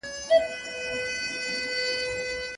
زموږ ملا صاحب هغه زړه سرُنا وايي